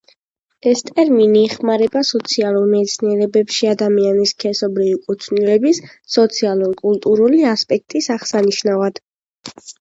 ეს ტერმინი იხმარება სოციალურ მეცნიერებებში ადამიანის სქესობრივი კუთვნილების სოციო-კულტურული ასპექტის აღსანიშნავად.